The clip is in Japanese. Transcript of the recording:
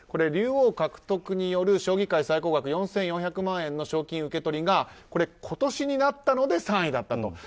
竜王獲得による将棋界最高額４４００万円の賞金の受け取りが今年になったので３位だったと。